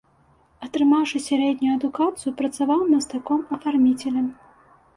Атрымаўшы сярэднюю адукацыю, працаваў мастаком-афарміцелем.